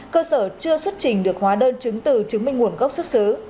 cơ sở chưa xuất trình được hóa đơn chứng từ chứng minh nguồn gốc xuất xứ